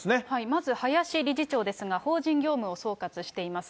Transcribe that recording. まず、林理事長ですが、法人業務を総括しています。